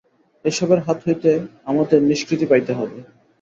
এ-সবের হাত হইতে আমাদের নিষ্কৃতি পাইতে হইবে।